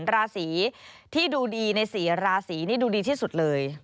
ราศีที่ดูดีใน๔ราศีนี่ดูดีที่สุดเลย